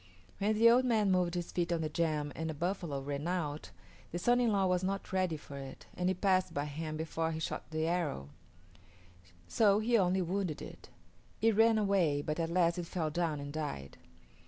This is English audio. When the old man moved his feet on the jam and a buffalo ran out, the son in law was not ready for it, and it passed by him before he shot the arrow; so he only wounded it. It ran away, but at last it fell down and died.